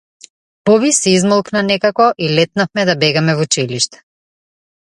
Боби се измолкна некако и летнавме да бегаме в училиште.